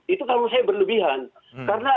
itu kalau saya berlebihan karena